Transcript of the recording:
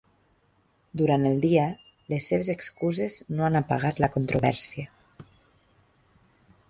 Durant el dia, les seves excuses no han apagat la controvèrsia.